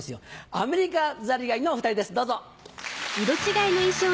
アメリカザリガニのお２人ですどうぞ。